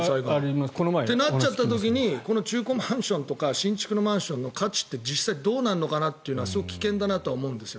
そうなっちゃった時にこの中古マンションとか新築マンションの価値って実際、どうなるのかなというのはすごく危険だなとは思うんです。